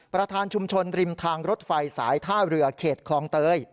ประธานชุมชนริมทางรถไฟสายท่าเรือเขตคลองเตย